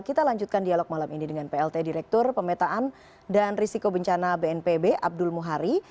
kita lanjutkan dialog malam ini dengan plt direktur pemetaan dan risiko bencana bnpb abdul muhari